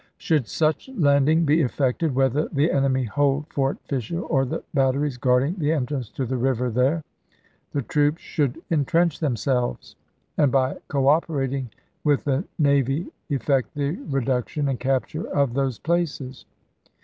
Should such landing be effected, whether the enemy hold Fort Fisher or the batteries guarding the entrance to the river there, the troops should intrench themselves, and by cooperating with the navy effect the reduction toSier, and capture of those places."